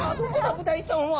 ブダイちゃんは。